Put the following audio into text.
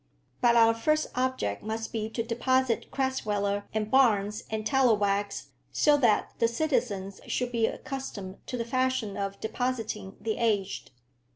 But our first object must be to deposit Crasweller and Barnes and Tallowax, so that the citizens should be accustomed to the fashion of depositing the aged.